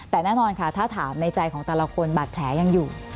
แต่แน่นอนค่ะถ้าถามในใจของแต่ละคนบาดแผลยังอยู่